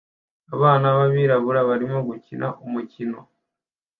Abana b'abirabura barimo gukina umukino